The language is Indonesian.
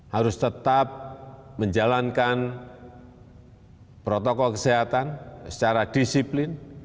harus tetap menjalankan protokol kesehatan secara disiplin